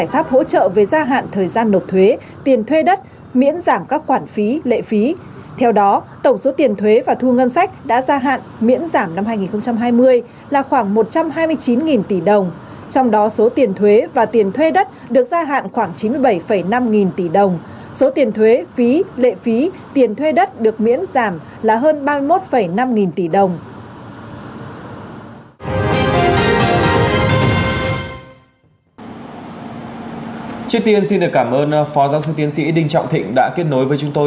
trước tiên xin được cảm ơn phó giáo sư tiến sĩ đinh trọng thịnh đã kết nối với chúng tôi